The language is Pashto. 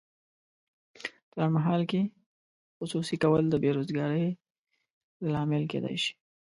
په لنډمهال کې خصوصي کول د بې روزګارۍ لامل کیدای شي.